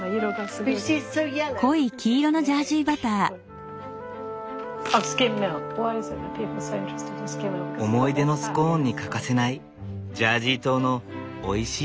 思い出のスコーンに欠かせないジャージー島のおいしい乳製品。